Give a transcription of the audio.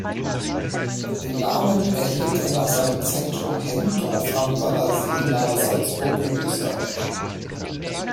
Den Namen erhielt er nach seinem Zentrum Henndorf am Wallersee nahe Salzburg in Österreich.